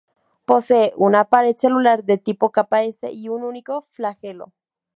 Posee una pared celular de tipo capa S y un único flagelo.